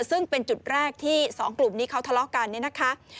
ซึ่งเป็นจุดแรกที่สองกลุ่มนี้เขาทะเลาะกันเนี่ยนะคะ